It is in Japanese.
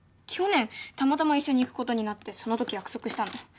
去年たまたま一緒に行くことになってそのとき約束したの。